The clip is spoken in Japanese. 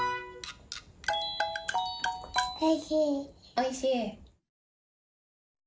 おいしい。